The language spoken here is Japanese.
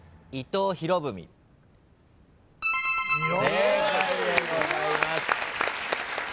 正解でございます。